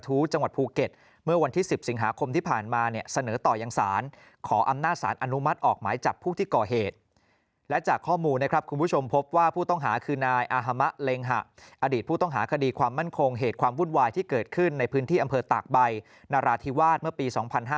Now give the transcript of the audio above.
จังหวัดภูเก็ตเมื่อวันที่๑๐สิงหาคมที่ผ่านมาเนี่ยเสนอต่อยังศาลขออำนาจสารอนุมัติออกหมายจับผู้ที่ก่อเหตุและจากข้อมูลนะครับคุณผู้ชมพบว่าผู้ต้องหาคือนายอาฮมะเล็งหะอดีตผู้ต้องหาคดีความมั่นคงเหตุความวุ่นวายที่เกิดขึ้นในพื้นที่อำเภอตากใบนราธิวาสเมื่อปี๒๕๕๙